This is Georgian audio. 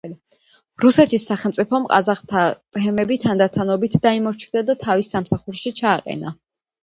რუსეთის სახელმწიფომ კაზაკთა თემები თანდათანობით დაიმორჩილა და თავის სამსახურში ჩააყენა.